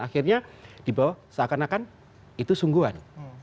akhirnya di bawah seakan akan itu sungguhan